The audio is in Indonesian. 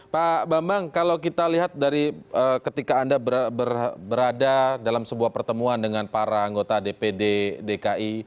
pak bambang kalau kita lihat dari ketika anda berada dalam sebuah pertemuan dengan para anggota dpd dki